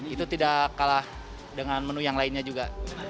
itu tidak kalah dengan menu yang lainnya juga